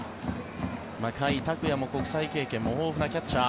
甲斐拓也も国際経験も豊富なキャッチャー。